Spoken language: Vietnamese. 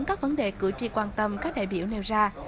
các vấn đề cử tri quan tâm các đại biểu nêu ra